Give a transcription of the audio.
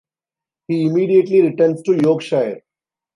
He immediately returns to Yorkshire.